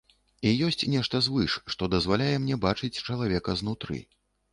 І ёсць нешта звыш, што дазваляе мне бачыць чалавека знутры.